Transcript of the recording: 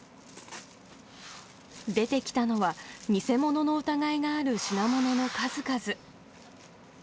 出てきたのは、偽物の疑いがある品物の数々。